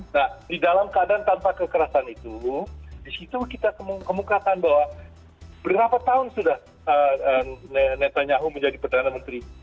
nah di dalam keadaan tanpa kekerasan itu disitu kita kemukakan bahwa berapa tahun sudah netanyahu menjadi perdana menteri